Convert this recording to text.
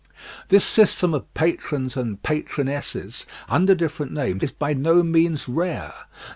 This system of patrons and patronesses under different names is by no means rare.